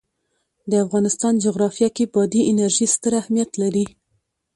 د افغانستان جغرافیه کې بادي انرژي ستر اهمیت لري.